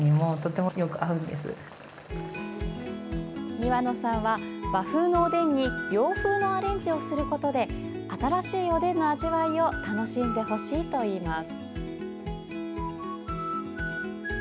庭乃さんは和風のおでんに洋風のアレンジをすることで新しいおでんの味わいを楽しんでほしいといいます。